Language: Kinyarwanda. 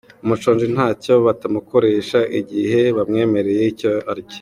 Umushonji ntacyo batamukoresha igihe bamwemereye icyo arya.